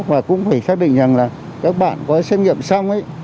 và cũng phải xác định rằng là các bạn có xét nghiệm xong ấy